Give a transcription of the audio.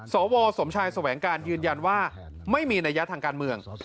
สวสมชายแสวงการยืนยันว่าไม่มีนัยยะทางการเมือง